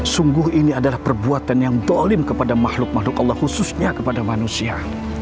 sungguh ini adalah perbuatan yang ⁇ dolim kepada makhluk makhluk allah khususnya kepada manusia